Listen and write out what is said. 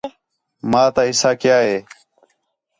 ماں تا حِصہ کیا ہے